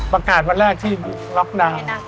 ประกาศวันแรกที่ล็อกดาวน์